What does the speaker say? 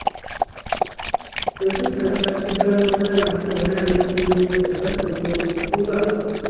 Bwe tubasaba ebbaluwa z'abantu bonna abeesimbyewo ddala basobola okuzituwa?